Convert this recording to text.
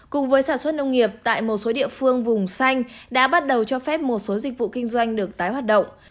cùng với sản xuất nông nghiệp tại một số địa phương vùng xanh đã bắt đầu cho phép một số dịch vụ kinh doanh được tái hoạt động